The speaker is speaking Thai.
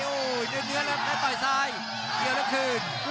โอ้โหเดือนแล้วต่อยซ้ายเกี่ยวแล้วคลื่น